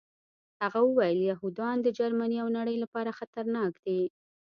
هغه وویل یهودان د جرمني او نړۍ لپاره خطرناک دي